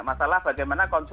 masalah bagaimana konsumen itu